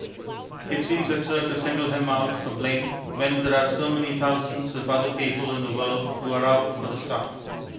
It seems absurd to single him out for blame, when there are so many thousands of other people in the world who are out for the stuff.